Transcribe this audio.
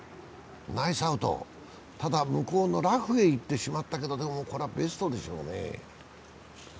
ナイスアウト、ただ向こうのラフへ行ってしまったけどでもこれはベストでしょうね。